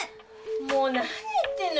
もう何言ってんの？